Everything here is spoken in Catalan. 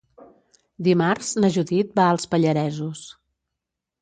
Dimarts na Judit va als Pallaresos.